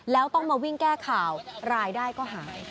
แล้วต้องมาวิ่งแก้ข่าวรายได้ก็หาย